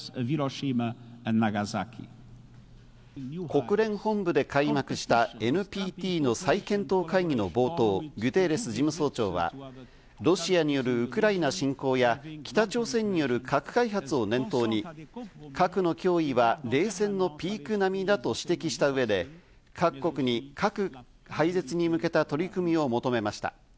国連本部で開幕したＮＰＴの再検討会議の冒頭、グテーレス事務総長はロシアによるウクライナ侵攻や北朝鮮による核開発を念頭に、核の脅威は冷戦のピーク並みだと指摘した上で、各国に核廃絶に向けた取り組みを求めました。